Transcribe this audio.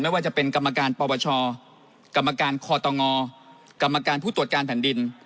ว่าจะเป็นกรรมการปปชกรรมการคอตงกรรมการผู้ตรวจการแผ่นดิน